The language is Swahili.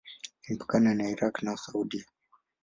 Imepakana na Irak na Saudia.